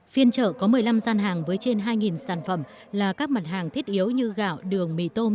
phiên trợ có một mươi năm gian hàng với trên hai sản phẩm là các mặt hàng thiết yếu như gạo đường mì tôm